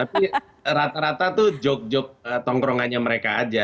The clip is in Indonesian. tapi rata rata tuh joke joke tongkrongannya mereka aja